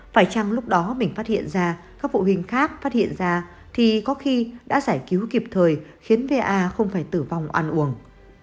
phải chăng lúc đó mình phát hiện ra các vụ hình khác phát hiện ra thì có khi đã giải cứu kịp thời khiến va không phải tử vong ăn uống